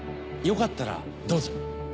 よかったらどうぞ。